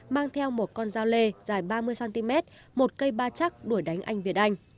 mang theo một con dao lê dài ba mươi cm một cây ba chắc đuổi đánh anh việt anh